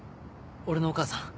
俺のお母さん。